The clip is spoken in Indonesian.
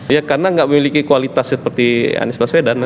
ya karena nggak memiliki kualitas seperti anies baswedan